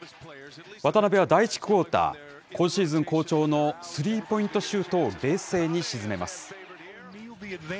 渡邊は第１クオーター、今シーズン好調のスリーポイントシュートを冷静に沈めます。